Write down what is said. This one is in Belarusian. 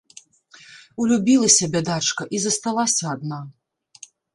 Улюбілася, бядачка, і засталася адна.